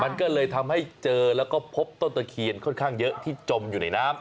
มันก็เลยทำให้เจอแล้วก็พบต้นตะเคียนค่อนข้างเยอะที่จมอยู่ในน้ำ